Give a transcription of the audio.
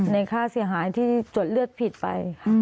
ในค่าเสียหายที่จดเลือดผิดไป